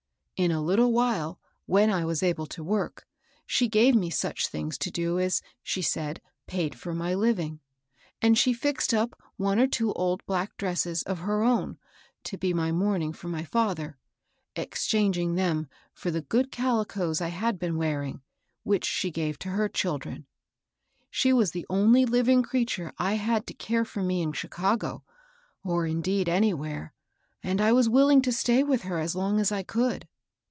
In a Uttle while, when I was able to work, she gave me such things to do as, she said, paid for my Uving ; and she fixed up one or two old black dresses of her own to be my mourning for my father, exchanging them for the good calicoes I had been wearing. BERTHA GILES. 45 which she gave to her children. She was the only living creature I had to care for me in Chi cago, — or, indeed, anywllere, — and I was will ing to stay with her as long as I could.